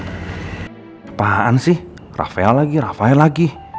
kehaan sih rafael lagi rafael lagi